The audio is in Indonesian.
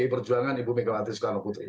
pdi perjuangan ibu megawati soekarno putri